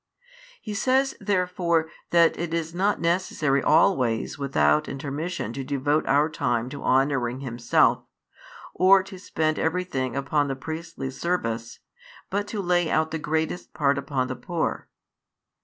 He says therefore that it is not necessary always without intermission to devote our time to honouring Himself, or to spend everything upon the priestly service, but to lay out the greatest part upon the poor.